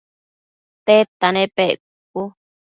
tedta nepec?cucu